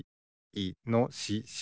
いのしし。